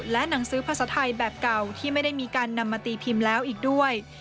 และหนังสือภาษาไทยแบบเก่าที่ไม่ได้มีการนำมาตีพิมพ์แล้วอีกด้วย